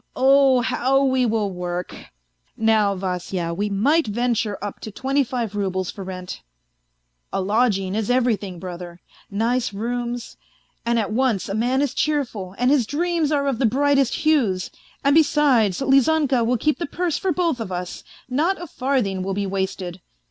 Oh, how we will work ! Now, Vasya, we might venture up to twenty five roubles for rent. A lodging is every thing, brother. Nice rooms ... and at once a man is cheerful, and his dreams are of the brightest hues. And, besides, Lizanka will keep the purse for both of us : not a farthing will be wasted.